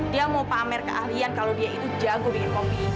dia mau pamer keahlian kalau dia itu jago bikin hobi